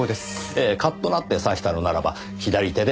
ええカッとなって刺したのならば左手で刺したはずです。